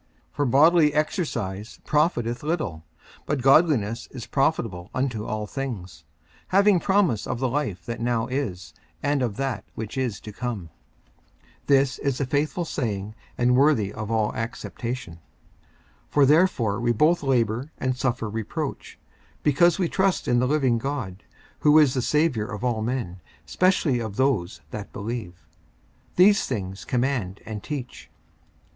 54:004:008 For bodily exercise profiteth little: but godliness is profitable unto all things, having promise of the life that now is, and of that which is to come. 54:004:009 This is a faithful saying and worthy of all acceptation. 54:004:010 For therefore we both labour and suffer reproach, because we trust in the living God, who is the Saviour of all men, specially of those that believe. 54:004:011 These things command and teach.